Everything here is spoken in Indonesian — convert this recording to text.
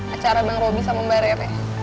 acara bang roby sama mbak rere